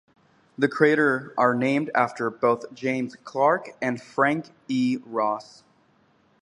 The crater are named after both James Clark and Frank E. Ross.